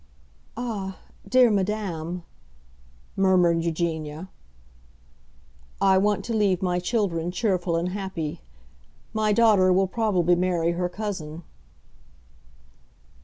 "Ah, dear madam," murmured Eugenia. "I want to leave my children cheerful and happy. My daughter will probably marry her cousin."